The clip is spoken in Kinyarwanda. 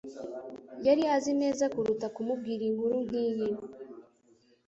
Yari azi neza kuruta kumubwira inkuru nkiyi.